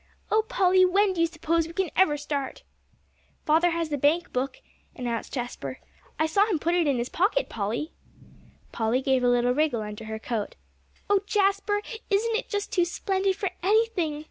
Oh, Polly, when do you suppose we can ever start?" "Father has the bank book," announced Jasper; "I saw him put it in his pocket, Polly." Polly gave a little wriggle under her coat. "Oh, Jasper, isn't it just too splendid for anything!"